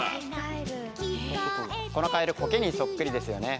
このカエルコケにそっくりですよね。